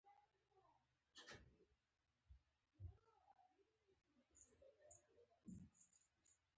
بادرنګ پر سترګو ایښودل ښکلا او آرام ورکوي.